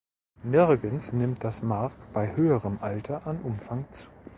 Nirgends nimmt das Mark bei höherem Alter an Umfang zu.